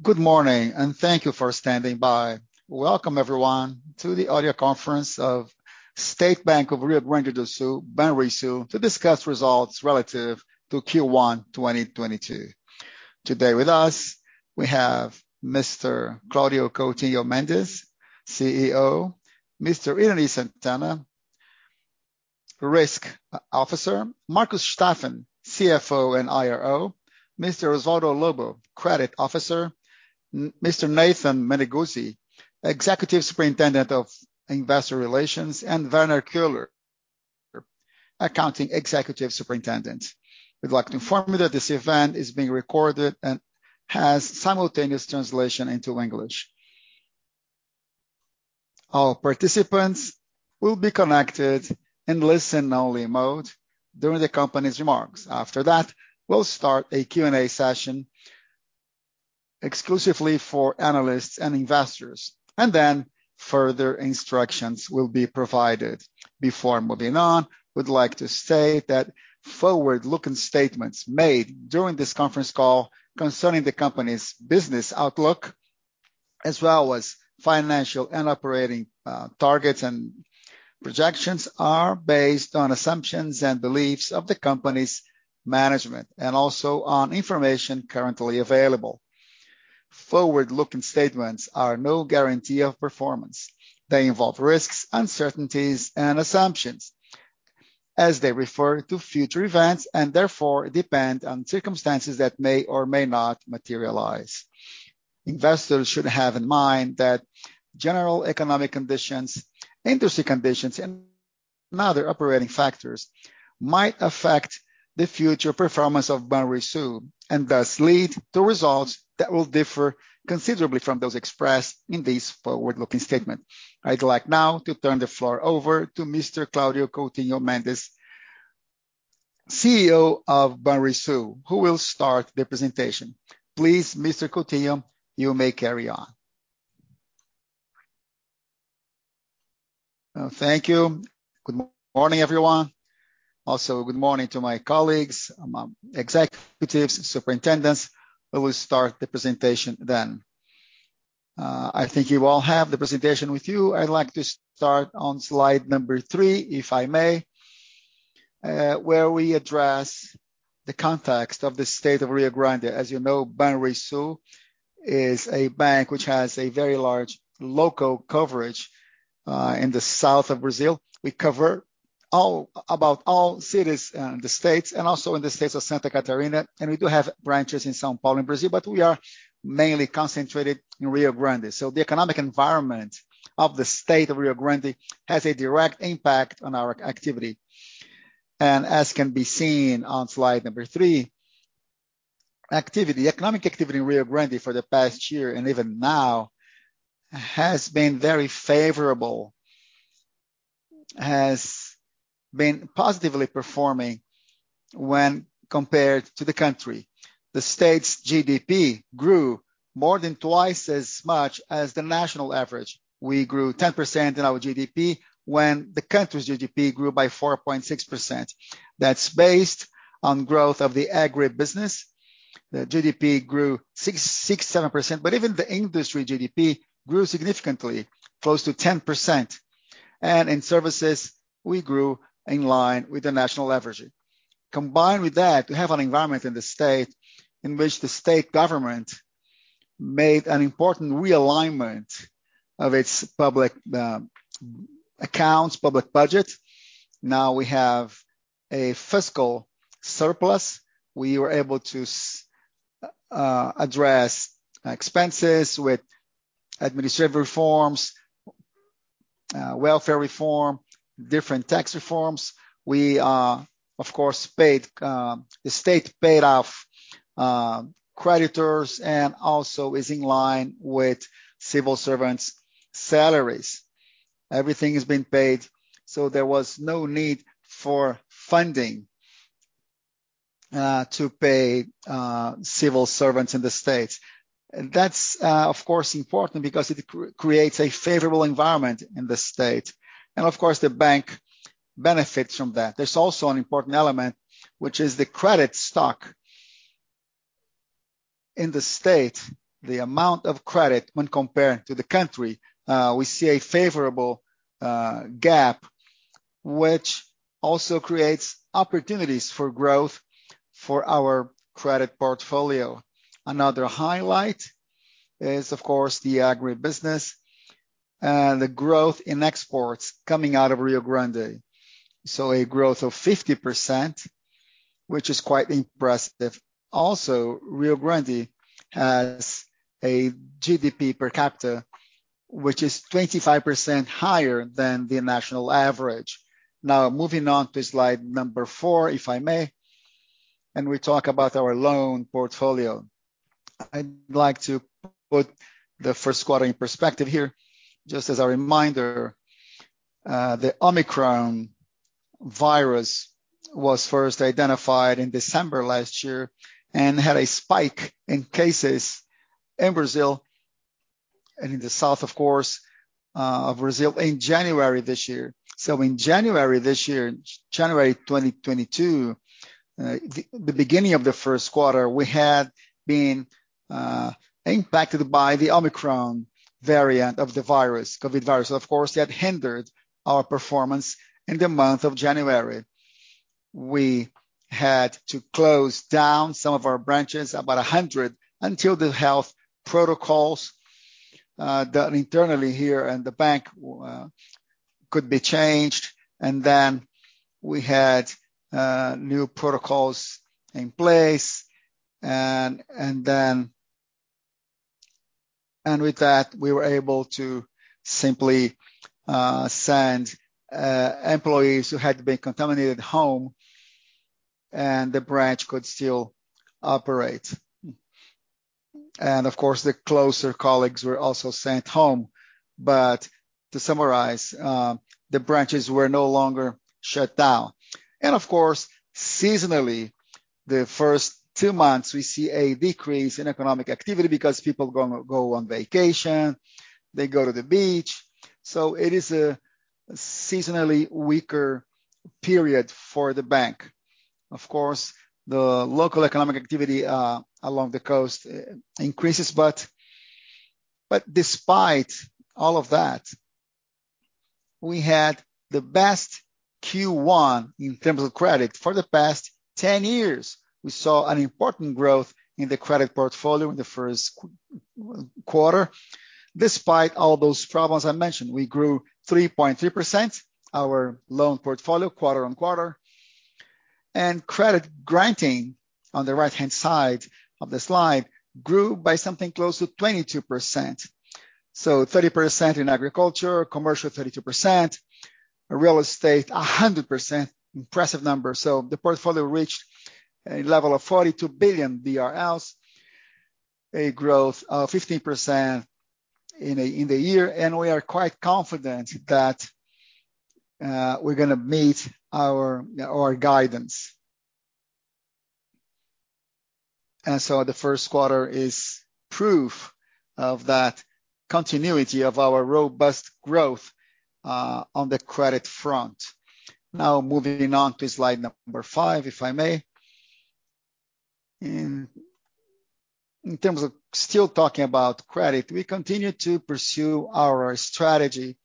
Good morning, and thank you for standing by. Welcome everyone to the audio conference of State Bank of Rio Grande do Sul, Banrisul, to discuss results relative to first quarter 2022. Today with us we have Mr. Claudio Coutinho Mendes, CEO. Mr. Irany Sant'Anna Junior, Risk Officer. Marcus Vinicius Feijó Staffen, CFO and IRO. Mr. Osvaldo Lobo Pires, Credit Officer. Mr. Nathan Meneguzzi, Executive Superintendent of Investor Relations, and Werner Koehler, Accounting Executive Superintendent. We'd like to inform you that this event is being recorded and has simultaneous translation into English. All participants will be connected in listen only mode during the company's remarks. After that, we'll start a Q&A session exclusively for analysts and investors. Then further instructions will be provided. Before moving on, we'd like to say that forward-looking statements made during this conference call concerning the company's business outlook, as well as financial and operating targets and projections, are based on assumptions and beliefs of the company's management, and also on information currently available. Forward-looking statements are no guarantee of performance. They involve risks, uncertainties and assumptions as they refer to future events, and therefore depend on circumstances that may or may not materialize. Investors should have in mind that general economic conditions, industry conditions, and other operating factors might affect the future performance of Banrisul and thus lead to results that will differ considerably from those expressed in these forward-looking statement. I'd like now to turn the floor over to Mr. Claudio Coutinho Mendes, CEO of Banrisul, who will start the presentation. Please, Mr. Coutinho, you may carry on. Thank you. Good morning, everyone. Also, good morning to my colleagues, executives, superintendents. We will start the presentation then. I think you all have the presentation with you. I'd like to start on slide number three, if I may, where we address the context of the state of Rio Grande do Sul. As you know, Banrisul is a bank which has a very large local coverage, in the south of Brazil. We cover about all cities in the states and also in the states of Santa Catarina. We do have branches in São Paulo and Brazil, but we are mainly concentrated in Rio Grande do Sul. The economic environment of the state of Rio Grande do Sul has a direct impact on our activity. As can be seen on slide number three, economic activity in Rio Grande for the past year and even now has been very favorable, has been positively performing when compared to the country. The state's GDP grew more than twice as much as the national average. We grew 10% in our GDP when the country's GDP grew by 4.6%. That's based on growth of the agribusiness. The GDP grew 6-7%. But even the industry GDP grew significantly, close to 10%. In services, we grew in line with the national average. Combined with that, we have an environment in the state in which the state government made an important realignment of its public accounts, public budget. Now we have a fiscal surplus. We were able to address expenses with administrative reforms, welfare reform, different tax reforms. We, of course, paid, the state paid off creditors and also is in line with civil servants' salaries. Everything is being paid, so there was no need for funding to pay civil servants in the state. That's, of course important because it creates a favorable environment in the state, and of course the bank benefits from that. There's also an important element, which is the credit stock. In the state, the amount of credit when compared to the country, we see a favorable gap which also creates opportunities for growth for our credit portfolio. Another highlight is, of course, the agribusiness, the growth in exports coming out of Rio Grande. A growth of 50%, which is quite impressive. Also, Rio Grande has a GDP per capita which is 25% higher than the national average. Now, moving on to slide number four, if I may, and we talk about our loan portfolio. I'd like to put the first quarter in perspective here. Just as a reminder, the Omicron virus was first identified in December last year and had a spike in cases in Brazil. And in the south, of course, of Brazil in January this year. In January this year, January 2022, the beginning of the first quarter, we had been impacted by the Omicron variant of the virus, COVID virus, of course, that hindered our performance in the month of January. We had to close down some of our branches, about 100, until the health protocols done internally here in the bank could be changed. We had new protocols in place and with that, we were able to simply send employees who had been contaminated home and the branch could still operate. Of course, the closer colleagues were also sent home. To summarize, the branches were no longer shut down. Of course, seasonally, the first two months we see a decrease in economic activity because people go on vacation, they go to the beach. It is a seasonally weaker period for the bank. Of course, the local economic activity along the coast increases. Despite all of that, we had the best first quarter in terms of credit for the past 10 years. We saw an important growth in the credit portfolio in the first quarter. Despite all those problems I mentioned, we grew 3.3%, our loan portfolio quarter-on-quarter. Credit granting, on the right-hand side of the slide, grew by something close to 22%. 30% in agriculture, commercial 32%, real estate 100%. Impressive number. The portfolio reached a level of 42 billion BRL, a growth of 15% in the year. We are quite confident that we're gonna meet our guidance. The first quarter is proof of that continuity of our robust growth on the credit front. Now, moving on to slide number five, if I may. In terms of still talking about credit, we continue to pursue our strategy,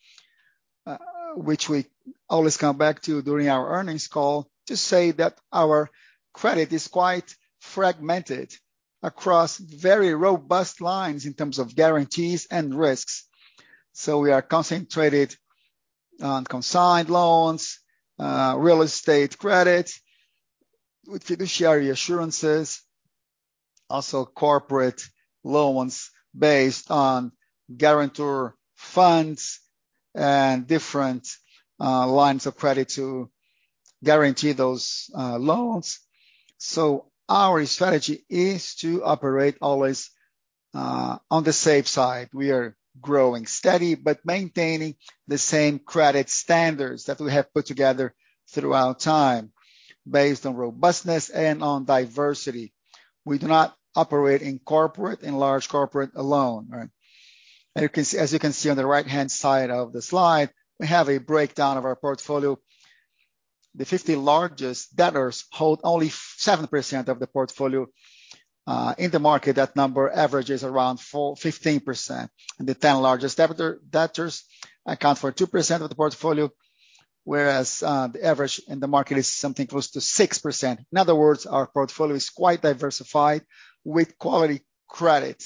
which we always come back to during our earnings call to say that our credit is quite fragmented across very robust lines in terms of guarantees and risks. We are concentrated on consigned loans, real estate credits with fiduciary assurances, also corporate loans based on guarantor funds and different, lines of credit to guarantee those, loans. Our strategy is to operate always, on the safe side. We are growing steady, but maintaining the same credit standards that we have put together throughout time based on robustness and on diversity. We do not operate in corporate, in large corporate alone, right? As you can see on the right-hand side of the slide, we have a breakdown of our portfolio. The 50 largest debtors hold only 7% of the portfolio. In the market, that number averages around 15%. The 10 largest debtors account for 2% of the portfolio, whereas the average in the market is something close to 6%. In other words, our portfolio is quite diversified with quality credit.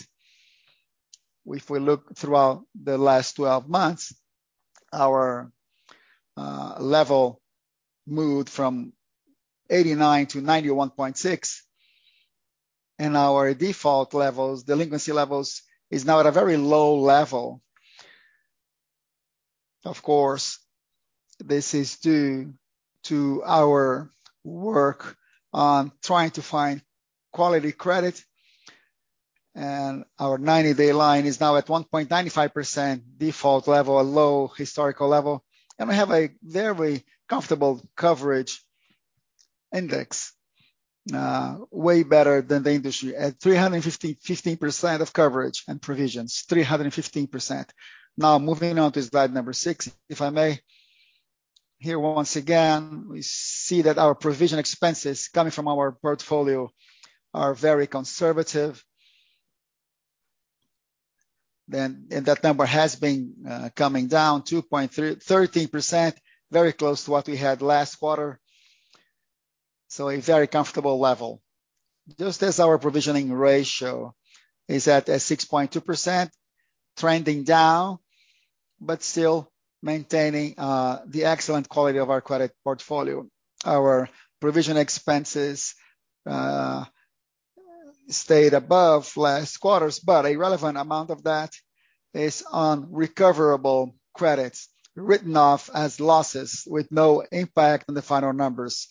If we look throughout the last 12 months, our level moved from 89 to 91.6. Our default levels, delinquency levels is now at a very low level. Of course, this is due to our work on trying to find quality credit. Our 90-day line is now at 1.95% default level, a low historical level. We have a very comfortable coverage index, way better than the industry at 315, 150% of coverage and provisions, 315%. Now, moving on to slide number six, if I may. Here once again, we see that our provision expenses coming from our portfolio are very conservative. That number has been coming down 2.13%, very close to what we had last quarter. A very comfortable level. Just as our provisioning ratio is at 6.2%, trending down, but still maintaining the excellent quality of our credit portfolio. Our provision expenses stayed above last quarter's, but a relevant amount of that is on recoverable credits written off as losses with no impact on the final numbers.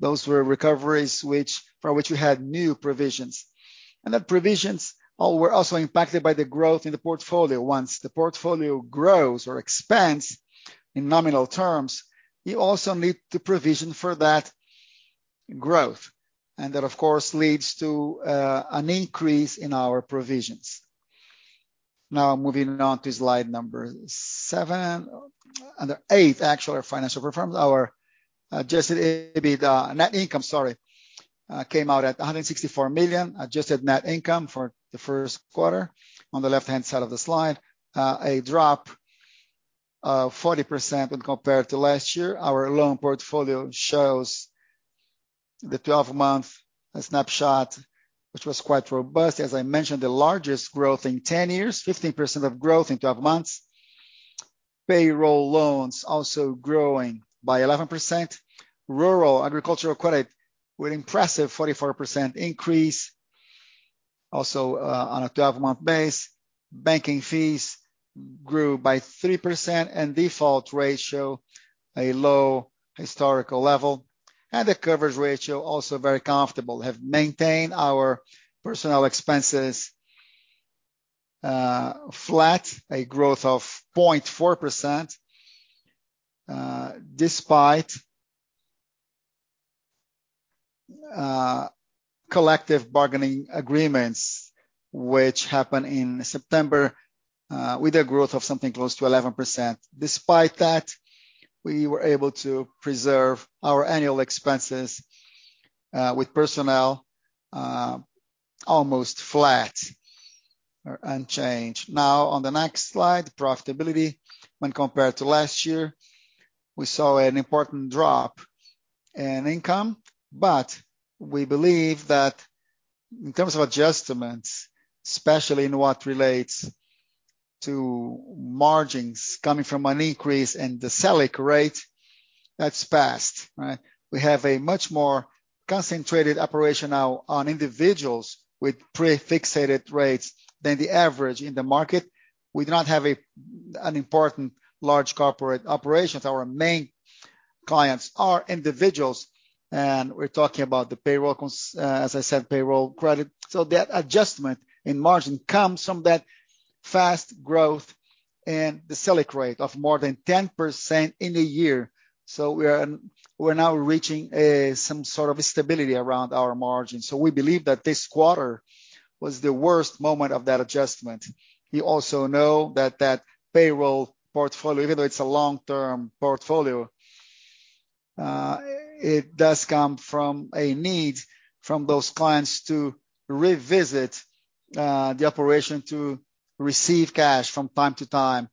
Those were recoveries for which we had new provisions. The provisions were also impacted by the growth in the portfolio. Once the portfolio grows or expands in nominal terms, you also need to provision for that growth. That of course leads to an increase in our provisions. Now moving on to slide number seven. On the 8th actually, our financial performance. Our adjusted net income, sorry, came out at 164 million. Adjusted net income for the first quarter on the left-hand side of the slide, a drop of 40% when compared to last year. Our loan portfolio shows the 12-month snapshot, which was quite robust. As I mentioned, the largest growth in 10 years, 15% growth in 12 months. Payroll loans also growing by 11%. Rural agricultural credit with impressive 44% increase also, on a 12-month base. Banking fees grew by 3%, and default ratio, a low historical level. The coverage ratio also very comfortable. Have maintained our personnel expenses flat, a growth of 0.4%, despite collective bargaining agreements, which happened in September, with a growth of something close to 11%. Despite that, we were able to preserve our annual expenses with personnel almost flat or unchanged. Now on the next slide, profitability. When compared to last year, we saw an important drop in income. We believe that in terms of adjustments, especially in what relates to margins coming from an increase in the Selic rate, that's fast, right? We have a much more concentrated operation now on individuals with pre-fixed rates than the average in the market. We do not have an important large corporate operations. Our main clients are individuals. We're talking about the payroll credit, as I said. That adjustment in margin comes from that fast growth in the Selic rate of more than 10% in a year. We're now reaching some sort of stability around our margin. We believe that this quarter was the worst moment of that adjustment. We also know that that payroll portfolio, even though it's a long-term portfolio, it does come from a need from those clients to revisit the operation to receive cash from time to time.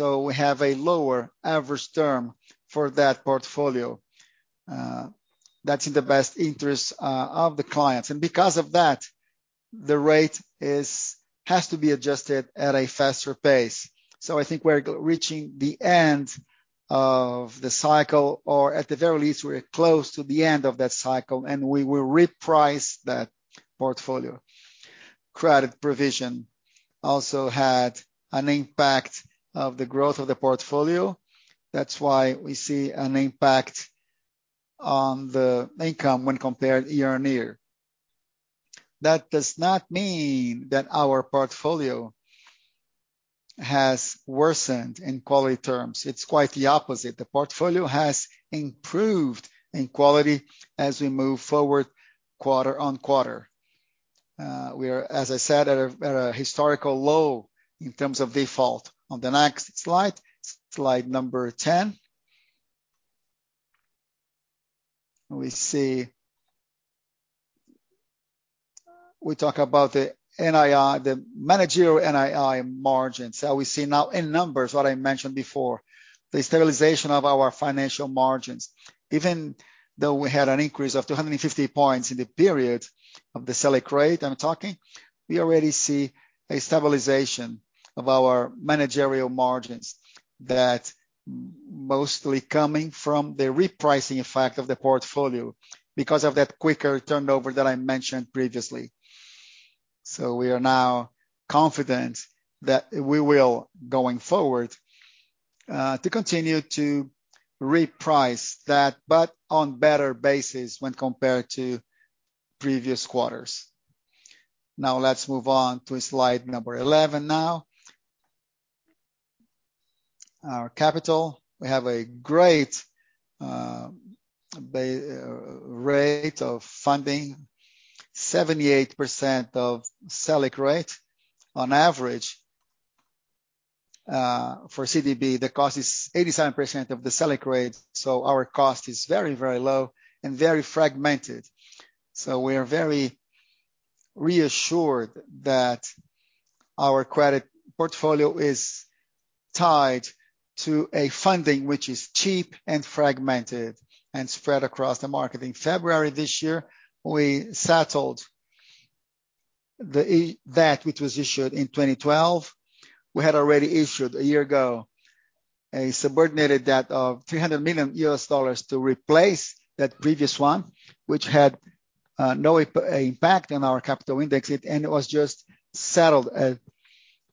We have a lower average term for that portfolio, that's in the best interest of the clients. Because of that, the rate has to be adjusted at a faster pace. I think we're reaching the end of the cycle or at the very least, we're close to the end of that cycle, and we will reprice that portfolio. Credit provision also had an impact of the growth of the portfolio. That's why we see an impact on the income when compared year-on-year. That does not mean that our portfolio has worsened in quality terms. It's quite the opposite. The portfolio has improved in quality as we move forward quarter-on-quarter. We are, as I said, at a historical low in terms of default. On the next slide number 10. We see. We talk about the NII, the managerial NII margins that we see now in numbers what I mentioned before, the stabilization of our financial margins. Even though we had an increase of 250 points in the period of the Selic rate I'm talking, we already see a stabilization of our managerial margins that mostly coming from the repricing effect of the portfolio because of that quicker turnover that I mentioned previously. We are now confident that we will, going forward, to continue to reprice that, but on better basis when compared to previous quarters. Now let's move on to slide number 11 now. Our capital. We have a great rate of funding, 78% of Selic rate. On average, for CDB, the cost is 87% of the Selic rate, so our cost is very, very low and very fragmented. We are very reassured that our credit portfolio is tied to a funding which is cheap and fragmented and spread across the market. In February this year, we settled the debt, which was issued in 2012. We had already issued a year ago a subordinated debt of $300 million to replace that previous one, which had no impact on our capital index. It was just settled at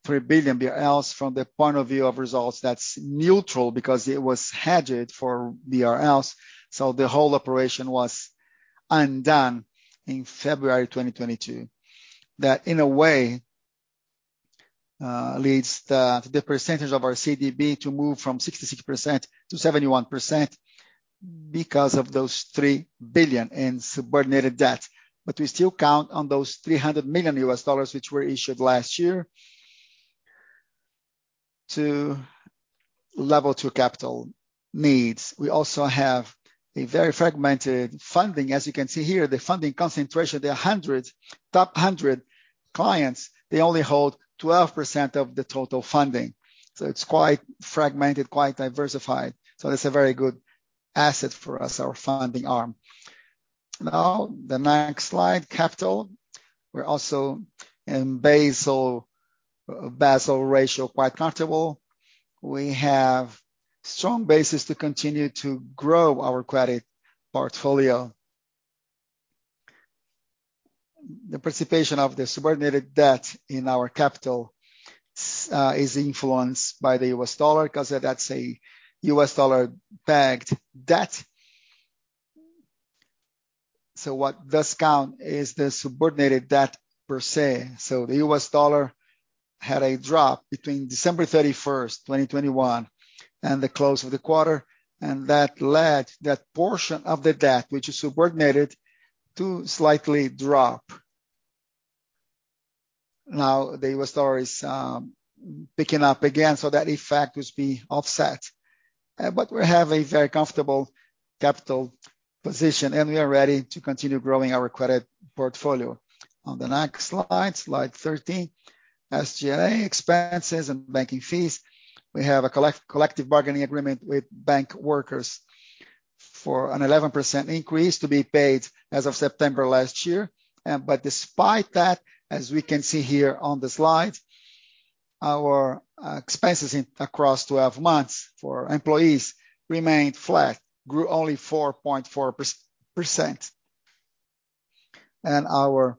3 billion BRL. From the point of view of results, that's neutral because it was hedged for BRL, so the whole operation was undone in February 2022. That in a way leads the percentage of our CDB to move from 66% to 71% because of those 3 billion in subordinated debt. We still count on those $300 million which were issued last year to level two capital needs. We also have a very fragmented funding. As you can see here, the funding concentration, the top 100 clients, they only hold 12% of the total funding. It's quite fragmented, quite diversified. That's a very good asset for us, our funding arm. Now the next slide, capital. We're also in Basel ratio, quite comfortable. We have strong basis to continue to grow our credit portfolio. The participation of the subordinated debt in our capital is influenced by the U.S. Dollar because that's a U.S. dollar-pegged debt. What does count is the subordinated debt per se. The U.S. dollar had a drop between December 31, 2021, and the close of the quarter, and that led that portion of the debt, which is subordinated, to slightly drop. Now, the U.S. dollar is picking up again, so that effect is being offset. We have a very comfortable capital position, and we are ready to continue growing our credit portfolio. On the next slide 13, SG&A expenses and banking fees. We have a collective bargaining agreement with bank workers for an 11% increase to be paid as of September last year. Despite that, as we can see here on the slide, our expenses across 12 months for employees remained flat, grew only 4.4%. Our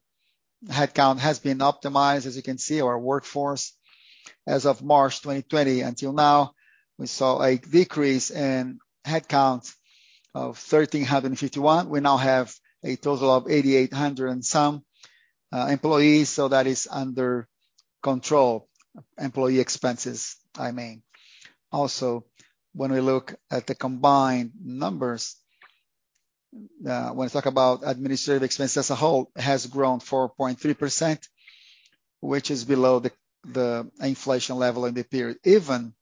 headcount has been optimized. As you can see, our workforce as of March 2020 until now, we saw a decrease in headcount of 1,351. We now have a total of 8,800 and some employees. So that is under control. Employee expenses, I mean. When we look at the combined numbers, when we talk about administrative expenses as a whole has grown 4.3%, which is below the inflation level in the period. Even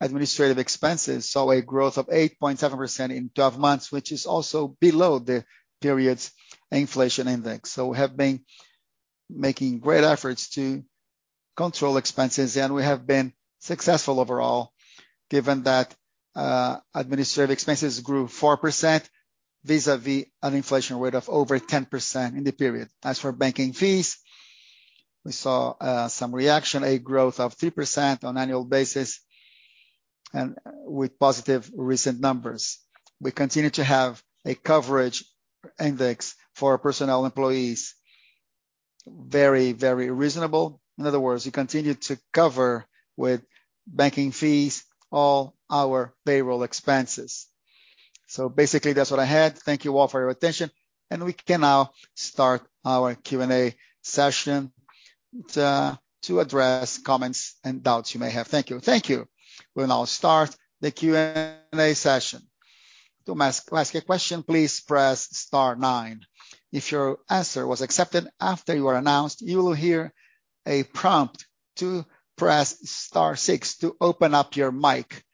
administrative expenses saw a growth of 8.7% in 12 months, which is also below the period's inflation index. We have been making great efforts to control expenses, and we have been successful overall, given that, administrative expenses grew 4% vis-a'-vis an inflation rate of over 10% in the period. As for banking fees, we saw, some reaction, a growth of 3% on annual basis and, with positive recent numbers. We continue to have a coverage index for our personnel expenses. Very, very reasonable. In other words, we continue to cover with banking fees all our payroll expenses. Basically that's what I had. Thank you all for your attention, and we can now start our Q&A session to address comments and doubts you may have. Thank you. Thank you. We'll now start the Q&A session. To ask a question, please press star nine. If your answer was accepted after you are announced, you will hear a prompt to press star six to open up your mic.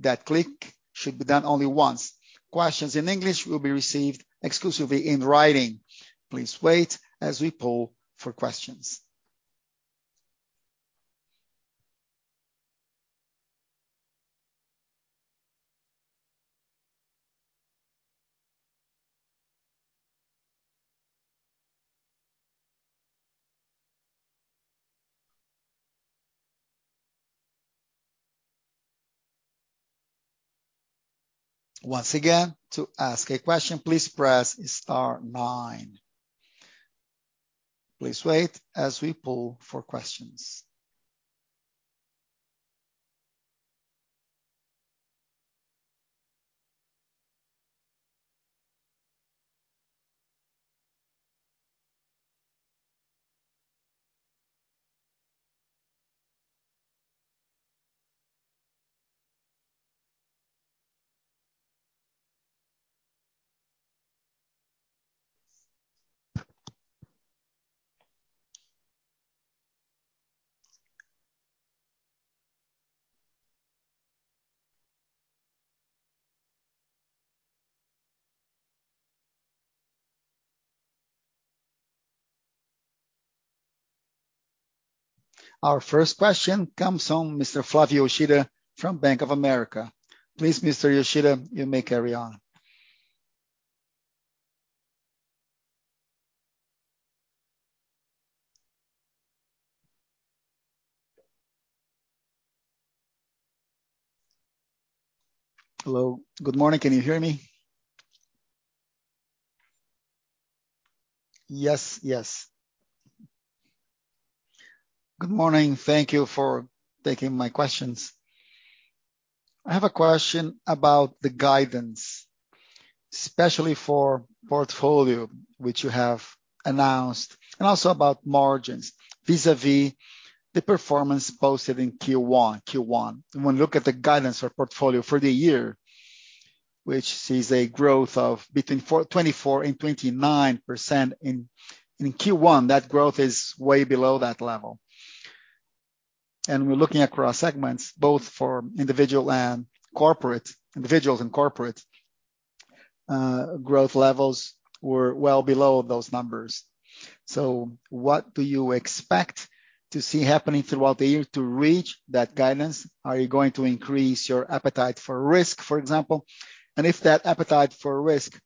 That click should be done only once. Questions in English will be received exclusively in writing. Please wait as we poll for questions. Once again, to ask a question, please press star nine. Please wait as we poll for questions. Our first question comes from Mr. Flavio Yoshida from Bank of America. Please, Mr. Yoshida, you may carry on. Hello. Good morning. Can you hear me? Yes. Yes. Good morning. Thank you for taking my questions. I have a question about the guidance, especially for portfolio, which you have announced, and also about margins vis-à-vis the performance posted in first quarter. When we look at the guidance for portfolio for the year, which sees a growth of between 24% and 29% in first quarter, that growth is way below that level. We're looking across segments, both for individual and corporate. Individuals and corporate growth levels were well below those numbers. What do you expect to see happening throughout the year to reach that guidance? Are you going to increase your appetite for risk, for example? And if that appetite for risk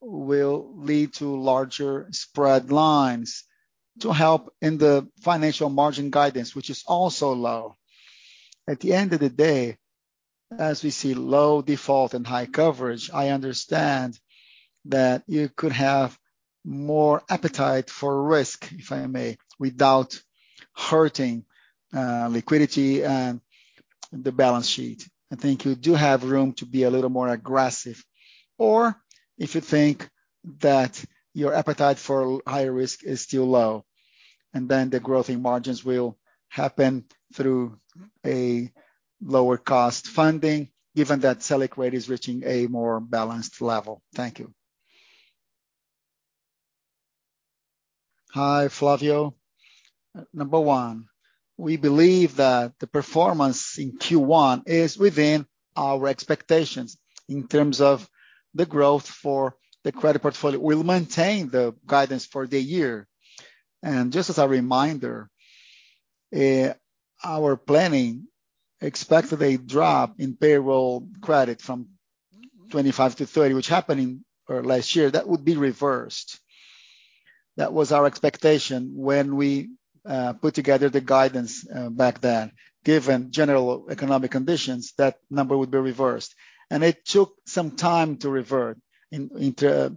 will lead to larger spread lines to help in the financial margin guidance, which is also low. At the end of the day, as we see low default and high coverage, I understand that you could have more appetite for risk, if I may, without hurting liquidity and the balance sheet. I think you do have room to be a little more aggressive. Or if you think that your appetite for higher risk is still low, and then the growth in margins will happen through a lower cost funding, given that Selic rate is reaching a more balanced level. Thank you. Hi, Flavio. Number one, we believe that the performance in first quarter is within our expectations in terms of the growth for the credit portfolio. We'll maintain the guidance for the year. Just as a reminder, our planning expected a drop in payroll credit from 25 to 30, which happened in last year. That would be reversed. That was our expectation when we put together the guidance back then. Given general economic conditions, that number would be reversed. It took some time to revert into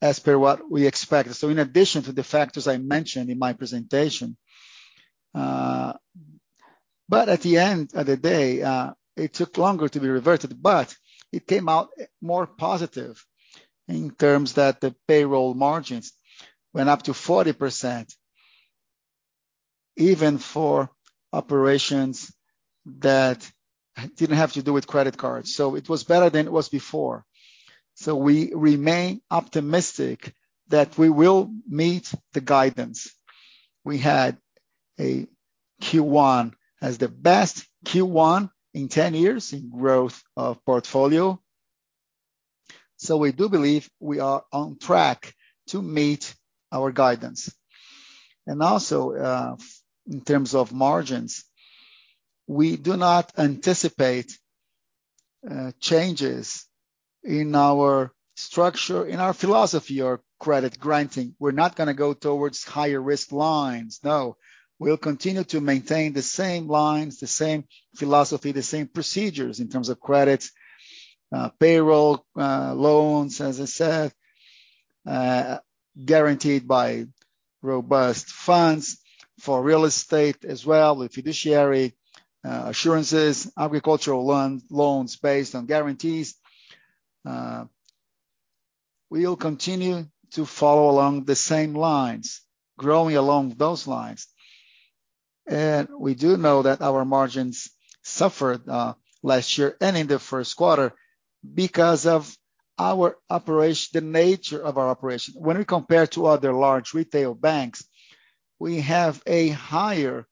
as per what we expected. In addition to the factors I mentioned in my presentation, but at the end of the day, it took longer to be reverted, but it came out more positive in terms that the payroll margins went up to 40%, even for operations that didn't have to do with credit cards. We remain optimistic that we will meet the guidance. We had a first quarter as the best first quarter in 10 years in growth of portfolio. We do believe we are on track to meet our guidance. In terms of margins, we do not anticipate changes in our structure, in our philosophy or credit granting. We're not gonna go towards higher risk lines. No. We'll continue to maintain the same lines, the same philosophy, the same procedures in terms of credits, payroll, loans, as I said, guaranteed by robust funds for real estate as well, with fiduciary assurances, agricultural loans based on guarantees. We'll continue to follow along the same lines, growing along those lines. We do know that our margins suffered last year and in the first quarter because of the nature of our operation. When we compare to other large retail banks, we have a higher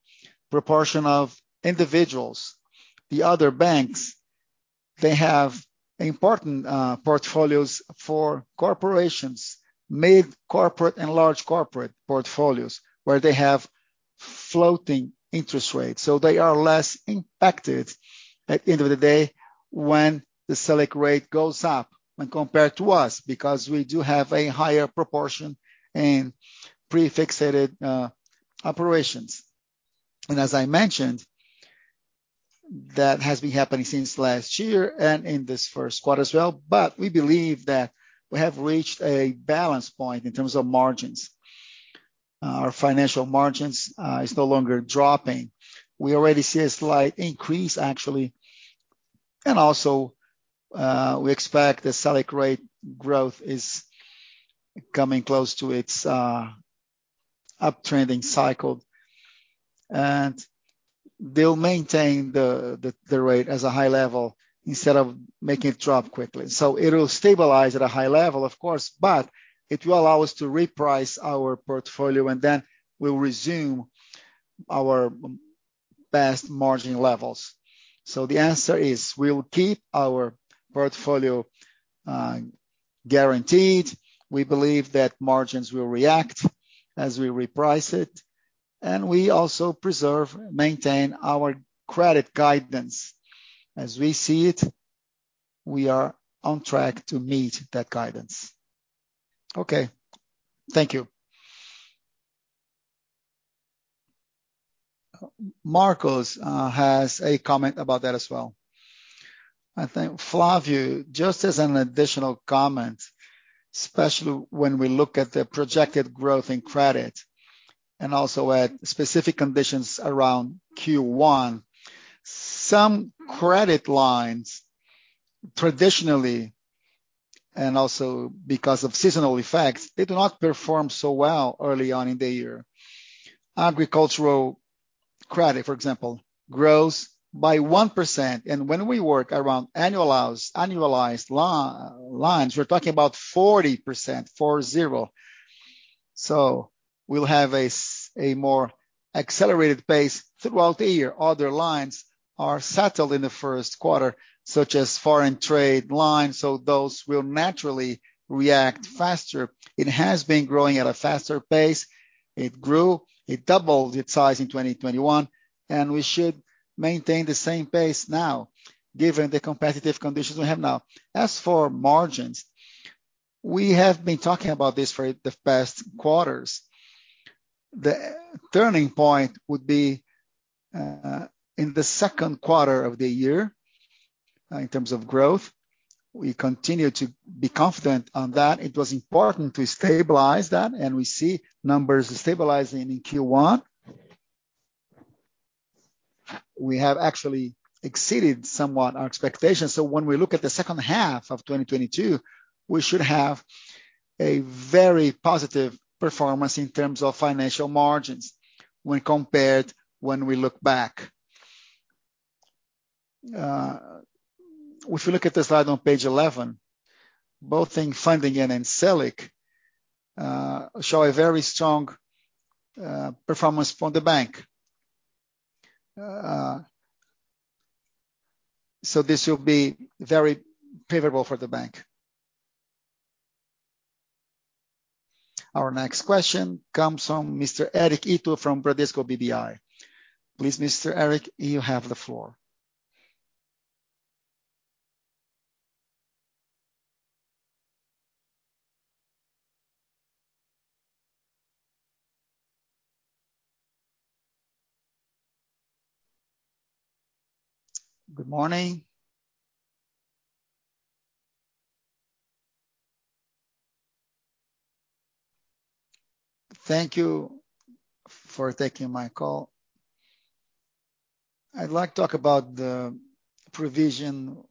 proportion of individuals. The other banks, they have important portfolios for corporations, mid corporate and large corporate portfolios, where they have floating interest rates. They are less impacted at the end of the day when the Selic rate goes up when compared to us, because we do have a higher proportion in pre-fixed operations. As I mentioned, that has been happening since last year and in this first quarter as well. We believe that we have reached a balance point in terms of margins. Our financial margins is no longer dropping. We already see a slight increase, actually. We expect the Selic rate growth is coming close to its up-trending cycle. They'll maintain the rate at a high level instead of making it drop quickly. It'll stabilize at a high level, of course, but it will allow us to reprice our portfolio, and then we'll resume our best margin levels. The answer is, we'll keep our portfolio guaranteed. We believe that margins will react as we reprice it. We also preserve, maintain our credit guidance. As we see it, we are on track to meet that guidance. Okay. Thank you. Marcus has a comment about that as well. I think, Flavio, just as an additional comment, especially when we look at the projected growth in credit and also at specific conditions around first quarter, some credit lines traditionally, and also because of seasonal effects, they do not perform so well early on in the year. Agricultural credit, for example, grows by 1%, and when we work around annualized lines, we're talking about 40%. We'll have a more accelerated pace throughout the year. Other lines are settled in the first quarter, such as foreign trade lines, so those will naturally react faster. It has been growing at a faster pace. It grew. It doubled its size in 2021, and we should maintain the same pace now given the competitive conditions we have now. As for margins, we have been talking about this for the past quarters. The turning point would be in the second quarter of the year in terms of growth. We continue to be confident on that. It was important to stabilize that, and we see numbers stabilizing in first quarter. We have actually exceeded somewhat our expectations. When we look at the second half of 2022, we should have a very positive performance in terms of financial margins when compared when we look back. If you look at the slide on page 11, both in funding and in Selic show a very strong performance for the bank. This will be very favorable for the bank. Our next question comes from Mr. Eric Ito from Bradesco BBI. Please, Mr. Eric, you have the floor. Good morning. Thank you for taking my call. I'd like to talk about the provision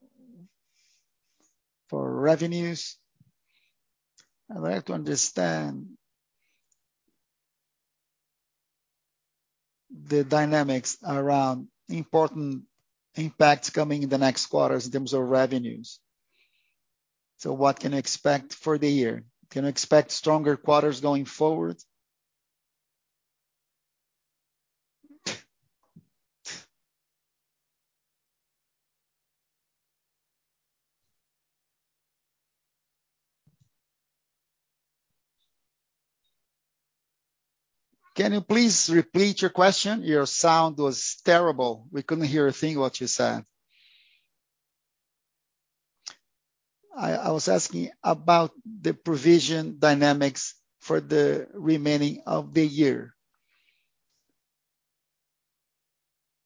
for revenues. I'd like to understand the dynamics around important impacts coming in the next quarters in terms of revenues. What can I expect for the year? Can I expect stronger quarters going forward? Can you please repeat your question? Your sound was terrible. We couldn't hear a thing what you said. I was asking about the provision dynamics for the remainder of the year.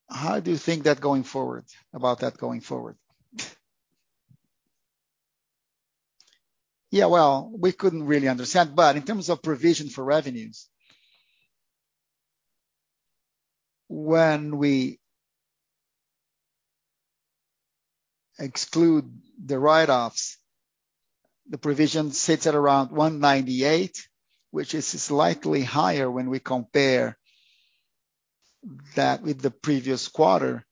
How do you think about that going forward? Yeah, well, we couldn't really understand. In terms of provision for revenues, when we exclude the write-offs, the provision sits at around 198, which is slightly higher when we compare that with the previous quarter.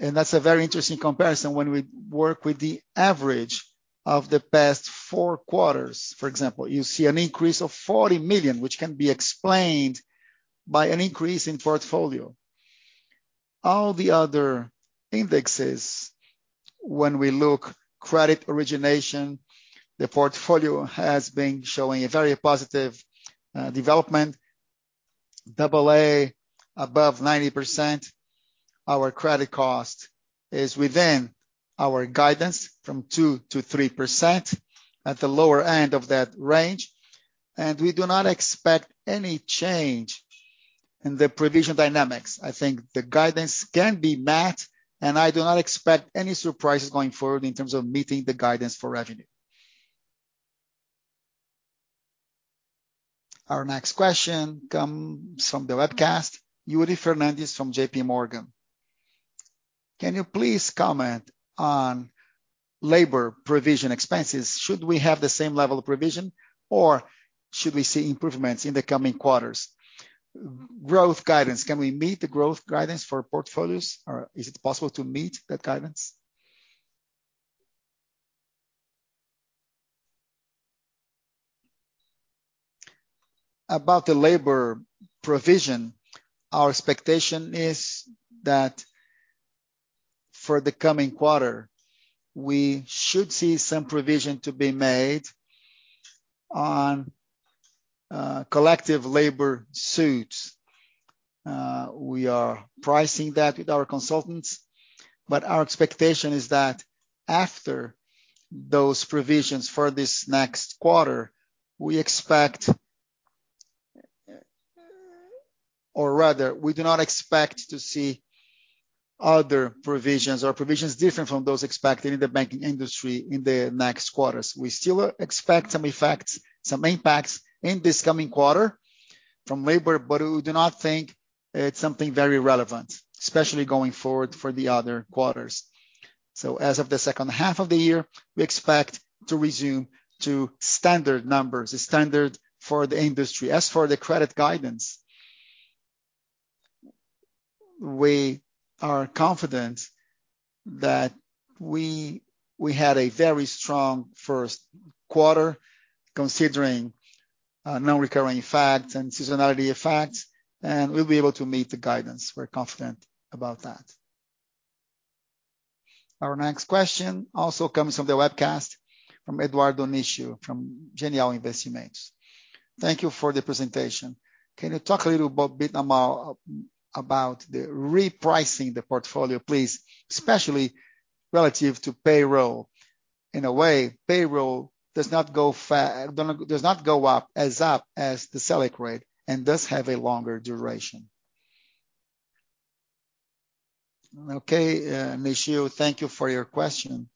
That's a very interesting comparison. When we work with the average of the past four quarters, for example, you see an increase of 40 million, which can be explained by an increase in portfolio. All the other indexes, when we look credit origination, the portfolio has been showing a very positive development, double A above 90%. Our credit cost is within our guidance from 2%-3% at the lower end of that range, and we do not expect any change in the provision dynamics. I think the guidance can be met, and I do not expect any surprises going forward in terms of meeting the guidance for revenue. Our next question comes from the webcast. Yuri Fernandes from JPMorgan. Can you please comment on labor provision expenses? Should we have the same level of provision or should we see improvements in the coming quarters? Growth guidance. Can we meet the growth guidance for portfolios or is it possible to meet that guidance? About the labor provision, our expectation is that for the coming quarter we should see some provision to be made on, collective labor suits. We are pricing that with our consultants. Our expectation is that after those provisions for this next quarter, or rather, we do not expect to see other provisions or provisions different from those expected in the banking industry in the next quarters. We still expect some effects, some impacts in this coming quarter from labor, but we do not think it's something very relevant, especially going forward for the other quarters. As of the second half of the year, we expect to resume to standard numbers, the standard for the industry. As for the credit guidance, we are confident that we had a very strong first quarter considering non-recurring effects and seasonality effects, and we'll be able to meet the guidance. We're confident about that. Our next question also comes from the webcast from Eduardo Nishio from Genial Investimentos. Thank you for the presentation. Can you talk a little bit about the repricing the portfolio, please, especially relative to payroll. In a way, payroll does not go up as fast as the Selic rate and does have a longer duration. Okay, Nishio, thank you for your question.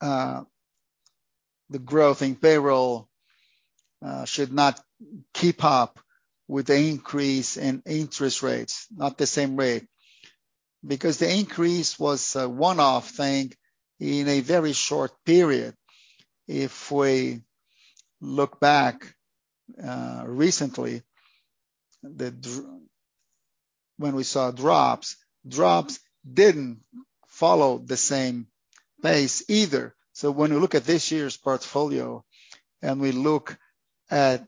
The growth in payroll should not keep up with the increase in interest rates, not the same way, because the increase was a one-off thing in a very short period. If we look back recently, when we saw drops didn't follow the same pace either. When we look at this year's portfolio, and we look at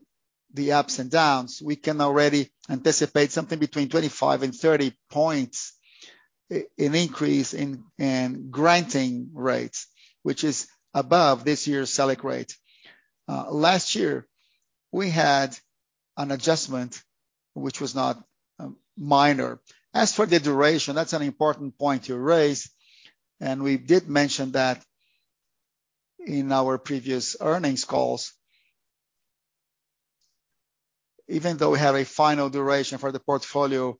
the ups and downs, we can already anticipate something between 25 and 30 points in increase in granting rates, which is above this year's Selic rate. Last year we had an adjustment, which was not minor. As for the duration, that's an important point to raise, and we did mention that in our previous earnings calls. Even though we have a final duration for the portfolio,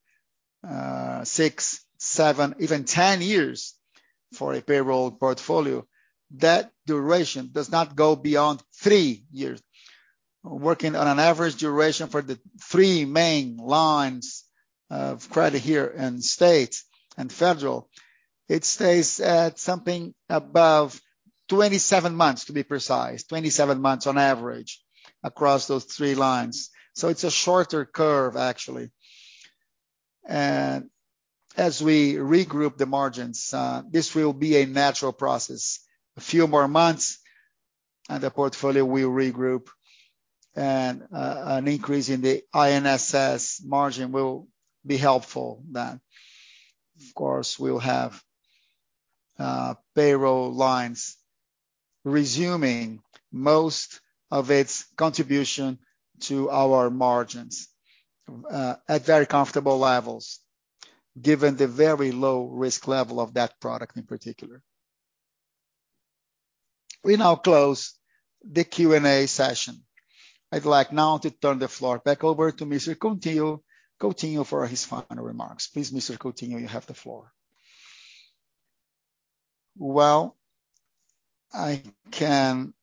six, seven, even 10 years for a payroll portfolio, that duration does not go beyond three years. Working on an average duration for the three main lines of credit here in states and federal, it stays at something above 27 months, to be precise. 27 months on average across those three lines. It's a shorter curve, actually. As we regroup the margins, this will be a natural process. A few more months and the portfolio will regroup and an increase in the INSS margin will be helpful then. Of course, we'll have payroll lines resuming most of its contribution to our margins at very comfortable levels given the very low risk level of that product in particular. We now close the Q&A session. I'd like now to turn the floor back over to Mr. Claudio Coutinho Mendes for his final remarks. Please, Mr. Claudio Coutinho Mendes, you have the floor. Well, I can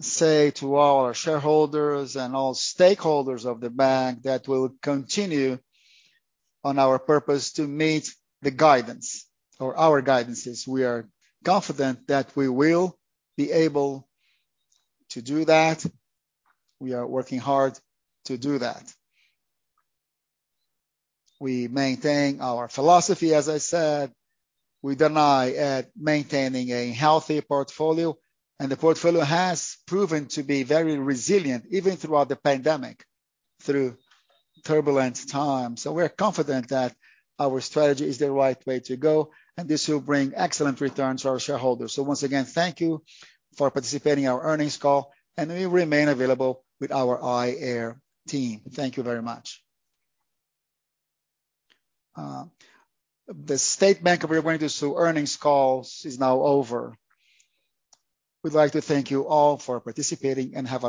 say to all our shareholders and all stakeholders of the bank that we'll continue on our purpose to meet the guidance or our guidances. We are confident that we will be able to do that. We are working hard to do that. We maintain our philosophy, as I said. We are dedicated to maintaining a healthy portfolio, and the portfolio has proven to be very resilient even throughout the pandemic, through turbulent times. We're confident that our strategy is the right way to go, and this will bring excellent returns to our shareholders. Once again, thank you for participating in our earnings call, and we remain available with our IR team. Thank you very much. The Banco do Estado do Rio Grande do Sul earnings call is now over. We'd like to thank you all for participating, and have a nice day.